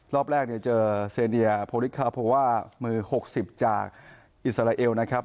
รอบแรกเนี่ยเจอเซเดียโพลิคาโพว่ามือ๖๐จากอิสราเอลนะครับ